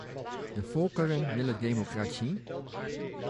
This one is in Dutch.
De volkeren willen democratie?